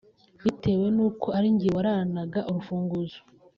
Bitewe n’uko ari njye wararanaga urufunguzo